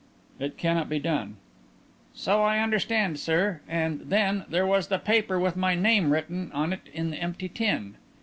"It cannot be done." "So I understand, sir. And, then, there was the paper with my name written on it in the empty tin.